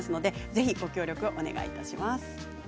ぜひ、ご協力をお願いします。